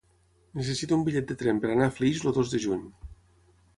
Necessito un bitllet de tren per anar a Flix el dos de juny.